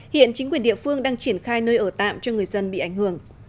hiện chính quyền địa phương đang triển khai nơi ở tạm cho người dân bị ảnh hưởng